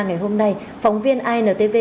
ngày hôm nay phóng viên intv